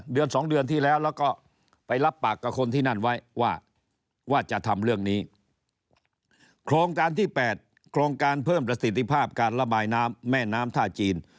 ครองการที่๘ครองการเพิ่มรสิทธิภาพการละบายแม่น้ำท่าจีน